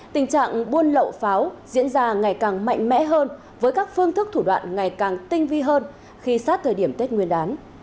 tình trạng buôn lậu pháo diễn ra ngày càng mạnh mẽ hơn với các phương thức thủ đoạn ngày càng tinh vi hơn khi sát thời điểm tết nguyên đán